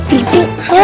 pri pri pri